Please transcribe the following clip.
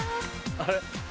あれ？